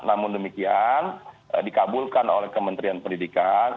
namun demikian dikabulkan oleh kementerian pendidikan